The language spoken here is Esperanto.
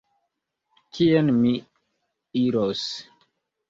Kien mi iros?